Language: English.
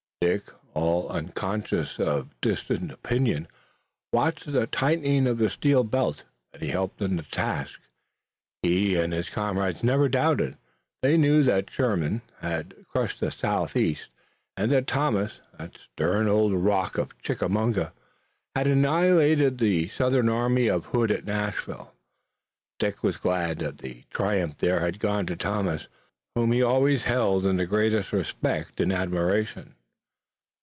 Dick, all unconscious of distant opinion, watched the tightening of the steel belt, and helped in the task. He and his comrades never doubted. They knew that Sherman had crushed the Southeast, and that Thomas, that stern old Rock of Chickamauga, had annihilated the Southern army of Hood at Nashville. Dick was glad that the triumph there had gone to Thomas, whom he always held in the greatest respect and admiration.